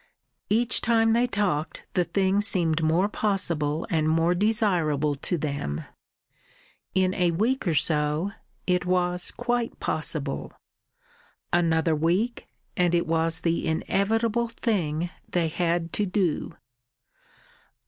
Each time they talked the thing seemed more possible and more desirable to them. In a week or so it was quite possible. Another week, and it was the inevitable thing they had to do.